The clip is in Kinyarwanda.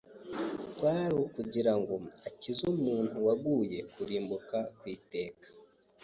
kwari ukugira ngo akize umuntu waguye kurimbuka kw’iteka.